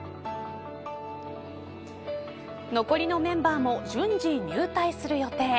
残りのメンバーも順次入隊する予定。